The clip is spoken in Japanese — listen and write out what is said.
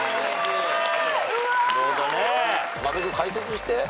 阿部君解説して。